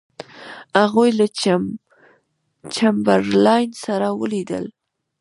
هغوی له چمبرلاین سره ولیدل.